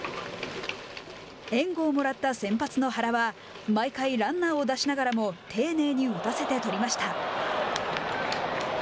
援護をもらった先発の原は毎回ランナーを出しながらも丁寧に打たせて取りました。